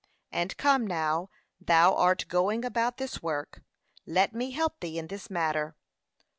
And come, now thou art going about this work, let me help thee in this matter.